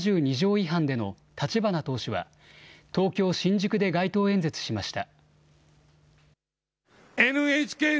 違反での立花党首は、東京・新宿で街頭演説しました。